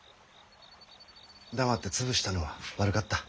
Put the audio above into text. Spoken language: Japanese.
黙って潰したのは悪かった。